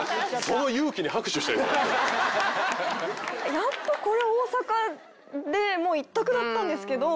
やっぱこれ大阪で１択だったんです。